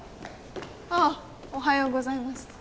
あぁおはようございます。